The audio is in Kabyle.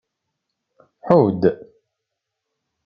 Ḥudd.